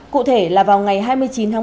cụ thể là vào ngày hai mươi chín tháng một